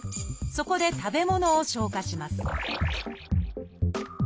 そこで食べ物を消化します